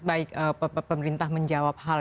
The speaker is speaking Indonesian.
baik pemerintah menjawab hal